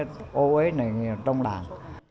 bộ ế này trong đàn